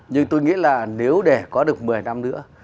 nhưng tôi nghĩ là nếu để có được một mươi năm nữa